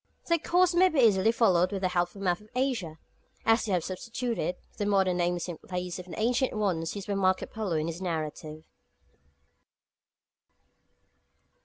Their course may be easily followed with the help of a map of Asia, as we have substituted the modern names in place of the ancient ones used by Marco Polo in his narrative.